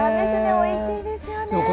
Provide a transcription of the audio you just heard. おいしいですよね。